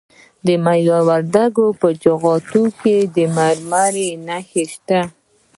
د میدان وردګو په جغتو کې د مرمرو نښې شته.